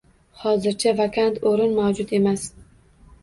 Hozircha vakant o'rin mavjud emas.